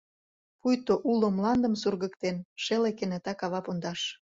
Пуйто уло мландым сургыктен, Шеле кенета кава пундаш.